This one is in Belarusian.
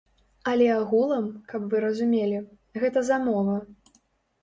Але агулам, каб вы разумелі, гэта замова.